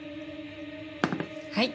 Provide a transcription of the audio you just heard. はい。